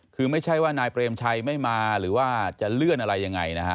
คือไม่ใช่ว่านายเปรมชัยไม่มาหรือว่าจะเลื่อนอะไรยังไงนะฮะ